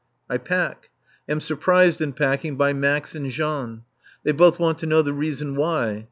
I pack. Am surprised in packing by Max and Jean. They both want to know the reason why.